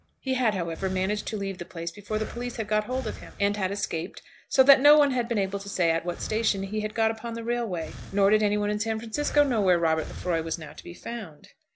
He had, however, managed to leave the place before the police had got hold of him, and had escaped, so that no one had been able to say at what station he had got upon the railway. Nor did any one in San Francisco know where Robert Lefroy was now to be found.